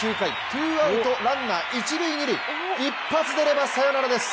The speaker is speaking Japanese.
ツーアウト、ランナー、一・二塁一発出ればサヨナラです